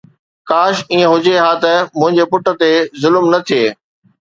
ڪاش ائين هجي ها ته منهنجي پٽ تي ظلم نه ٿئي